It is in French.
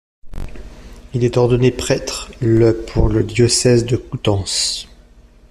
Il est ordonné prêtre le pour le diocèse de Coutances.